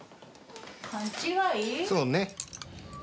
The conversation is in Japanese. そうね。